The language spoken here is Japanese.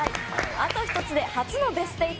あと１つで初のベスト８。